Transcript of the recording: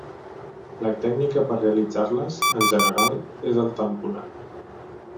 La tècnica per realitzar-les, en general, és el tamponat.